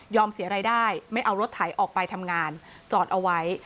เสียรายได้ไม่เอารถไถออกไปทำงานจอดเอาไว้